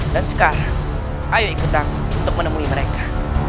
dan sekarang ayo ikut aku untuk menemui mereka